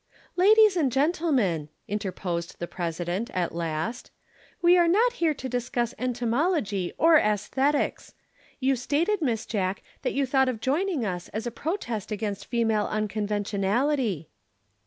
"Ladies and gentlemen," interposed the President, at last, "we are not here to discuss entomology or æsthetics. You stated, Miss Jack, that you thought of joining us as a protest against female unconventionally."